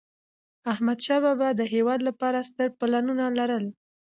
احمدشاه بابا د هېواد لپاره ستر پلانونه لرل.